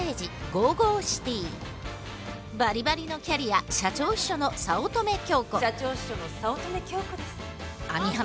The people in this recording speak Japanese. バリバリのキャリア社長秘書の早乙女京子です。